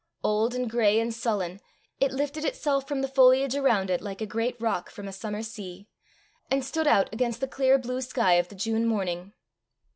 Old and gray and sullen, it lifted itself from the foliage around it like a great rock from a summer sea, and stood out against the clear blue sky of the June morning.